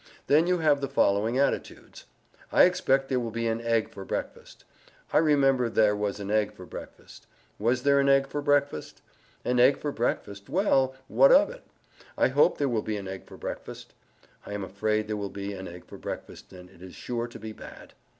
Then you have the following attitudes "I expect there will be an egg for breakfast"; "I remember there was an egg for breakfast"; "Was there an egg for breakfast?" "An egg for breakfast: well, what of it?" "I hope there will be an egg for breakfast"; "I am afraid there will be an egg for breakfast and it is sure to be bad."